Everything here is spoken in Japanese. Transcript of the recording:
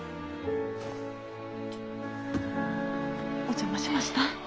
お邪魔しました。